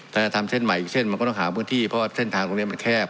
ถ้าจะทำเส้นใหม่อีกเส้นมันก็ต้องหาพื้นที่เพราะว่าเส้นทางตรงนี้มันแคบ